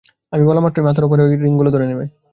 আমি বলা মাত্রই, মাথার ওপরের ঐ রিঙগুলো ধরে নেবে।